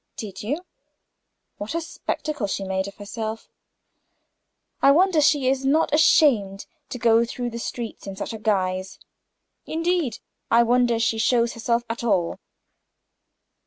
"Did you? What a spectacle she had made of herself! I wonder she is not ashamed to go through the streets in such a guise! Indeed, I wonder she shows herself at all."